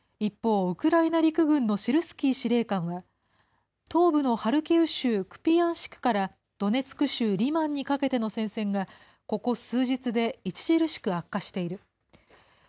一方、ウクライナ陸軍のシルスキー司令官は、東部のハルキウ州クピヤンシクからドネツク州リマンにかけての戦線が、ここ数日で著しく悪化している。